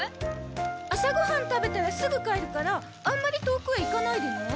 朝ごはん食べたらすぐ帰るからあんまり遠くへ行かないでね。